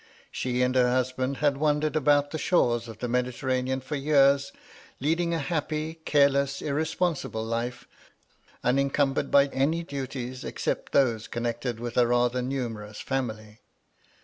She and her husband had wandered about the shores of the Mediterranean for years, leading a happy, careless, irresponsible life, unen cumbered by any duties except those connected with a rather numerous family.